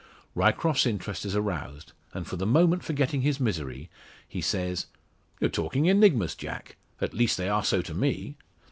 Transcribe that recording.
Ryecroft's interest is aroused, and for the moment forgetting his misery, he says: "You're talking enigmas, Jack! At least they are so to me.